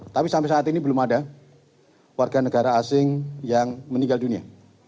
tapi sampai saat ini belum ada warga negara asing yang meninggal dunia